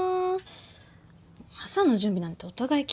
朝の準備なんてお互い気にしないし。